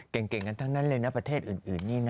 เก่งกันทั้งนั้นเลยนะประเทศอื่นนี่นะ